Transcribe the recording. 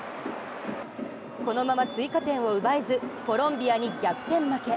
このまま追加点を奪えずコロンビアに逆転負け。